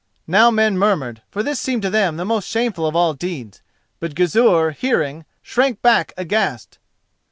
Now men murmured, for this seemed to them the most shameful of all deeds. But Gizur, hearing, shrank back aghast.